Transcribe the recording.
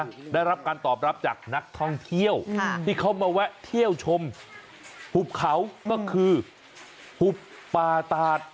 ได้รับการตอบรับจากนักท่องเที่ยวที่เขามาแวะเที่ยวชมหุบเขาก็คือหุบป่าตาด